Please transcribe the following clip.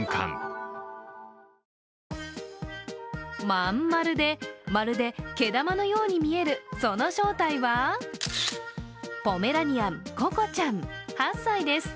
まん丸で、まるで毛玉のように見える、その正体はポメラニアン、ココちゃん、８歳です。